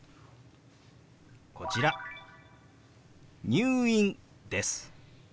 「入院」です。